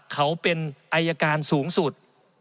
เขาเป็นอายการสูงสุด